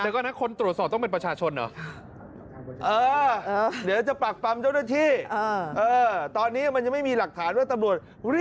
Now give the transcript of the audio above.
แต่ก่อนนั้นคนตรวจสอบต้องเป็นประชาชนเหรอ